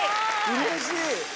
うれしい！